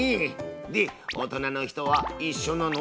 で大人の人はいっしょなの？